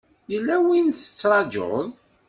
Yella wi tettrajuḍ?